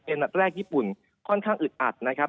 เป็นนัดแรกญี่ปุ่นค่อนข้างอึดอัดนะครับ